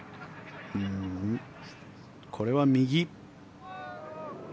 これは右。